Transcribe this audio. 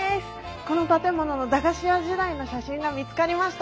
この建物の駄菓子屋時代の写真が見つかりました。